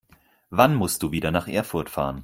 Wann musst du wieder nach Erfurt fahren?